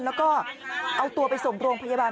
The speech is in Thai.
แล้วก็เอาตัวไปส่งโรงพยาบาล